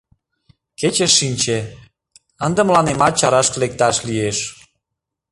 Кече шинче, ынде мыланемат чарашке лекташ лиеш...